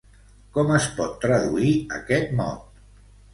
Com es pot traduir aquest mot?